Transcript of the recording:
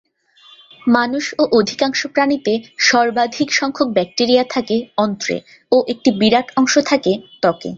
মানুষ ও অধিকাংশ প্রাণীতে সর্বাধিক সংখ্যক ব্যাকটেরিয়া থাকে অন্ত্রে ও একটি বিরাট অংশ থাকে ত্বকে।